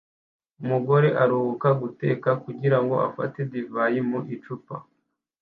Umugore aruhuka guteka kugirango afate divayi mu icupa